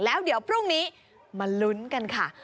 แล้วเดี๋ยวพรุ่งนี้มาลุ้นกันค่ะ